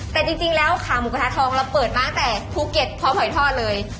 แต่จริงแล้วขาหมูกระทะทองเราเปิดมาตั้งแต่ภูเก็ตพร้อมหอยทอดเลย